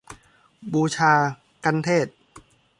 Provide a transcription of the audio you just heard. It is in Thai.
บูชากัณฑ์เทศน์